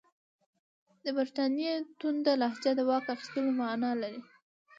د برټانیې تونده لهجه د واک اخیستلو معنی لري.